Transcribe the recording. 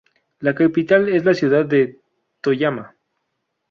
La capital es la ciudad de Toyama.